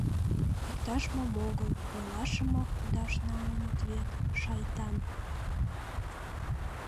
Иктаж-мом огыл, йолашымак кудаш налыныт вет, шайтан.